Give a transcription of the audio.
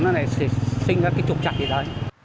nó sẽ sinh ra cái trục chặt gì đó